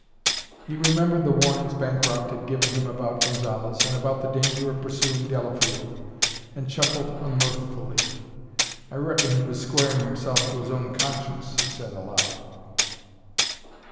He remembered the warnings Bancroft had given him about Gonzalez and about the danger of pursuing Delafield, and chuckled unmirthfully. "I reckon he was squaring himself to his own conscience," he said aloud.